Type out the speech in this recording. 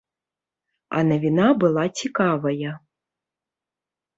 А навіна была цікавая.